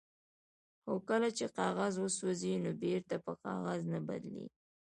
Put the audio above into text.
هو کله چې کاغذ وسوځي نو بیرته په کاغذ نه بدلیږي